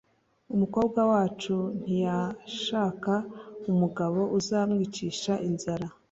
umukobwa wacu ntiyashaka umugabo uzamwicisha inzara.